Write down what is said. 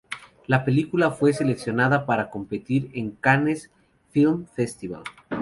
La película fue seleccionada para competir en el Cannes Film Festival.